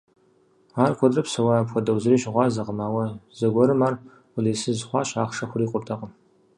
Ар куэдрэ псэуа апхуэдэу, зыри щыгъуазэкъым, ауэ зэгуэрым ар къулейсыз хъуащ: ахъшэ хурикъуртэкъым.